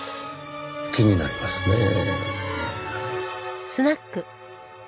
気になりますねぇ。